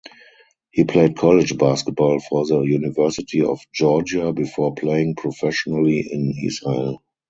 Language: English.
He played college basketball for the University of Georgia before playing professionally in Israel.